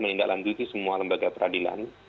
menindaklanjuti semua lembaga peradilan